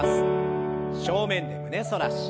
正面で胸反らし。